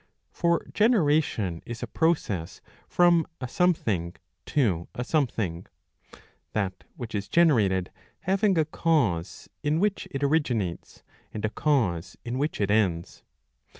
For generation is a process from a something t6 a something ; that which is generated having a cause in which it originates and a cause in which it ends.